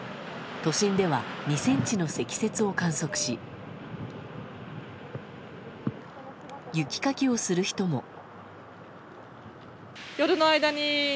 都心では２ｃｍの積雪を観測し雪かきをする人も。